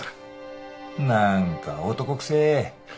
何か男くせえ。